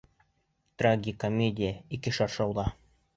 Трагикомедия, ике шаршауҙа